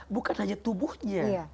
bukan hanya tubuhnya